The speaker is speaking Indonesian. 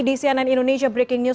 di cnn indonesia breaking news